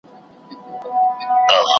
همدلته د «علامه عبدالحی حبیبي» ارزښت